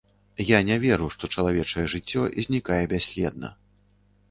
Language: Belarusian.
Я не веру, што чалавечае жыццё знікае бясследна.